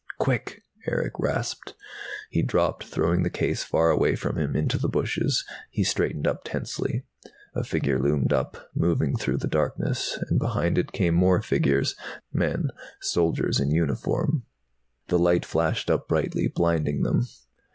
"Quick!" Erick rasped. He dropped, throwing the case far away from him, into the bushes. He straightened up tensely. A figure loomed up, moving through the darkness, and behind it came more figures, men, soldiers in uniform. The light flashed up brightly, blinding them.